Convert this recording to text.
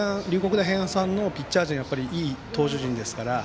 大平安さんのピッチャー陣はいい投手陣ですから。